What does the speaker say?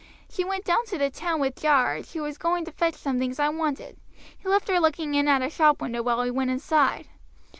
"She went down to the town with Jarge, who was going to fetch some things I wanted. He left her looking in at a shop window while he went inside.